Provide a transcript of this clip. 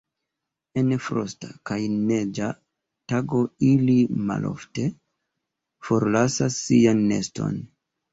En frosta kaj neĝa tago ili malofte forlasas sian neston.